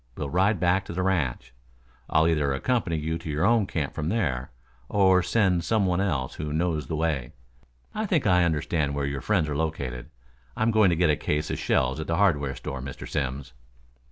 We'll ride back to the ranch. I'll either accompany you to your own camp from there, or send some one else who knows the way. I think I understand where your friends are located. I'm going to get a case of shells at the hardware store, Mr. Simms."